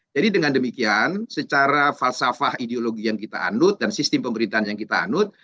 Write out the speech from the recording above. jadi dengan demikian secara falsafah ideologi yang kita anut